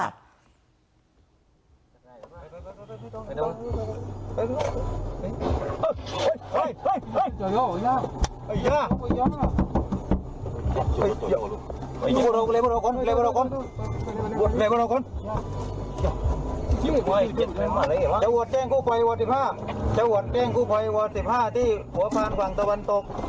แก้งกู้พลอยวอร์๑๕ที่หัวพลานหวังตะวันตก